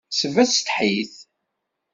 Sbesteḥ-it.